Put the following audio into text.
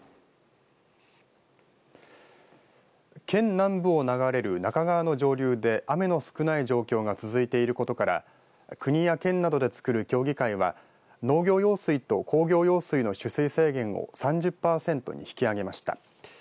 県南部を流れる那賀川の上流で雨の少ない状況が続いていることから国や県などで作る協議会は農業用水と工業用水の取水制限を３０％に引き上げました。